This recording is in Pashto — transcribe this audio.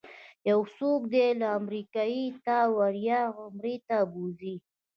یو څوک دې له امریکې تا وړیا عمرې ته بوځي.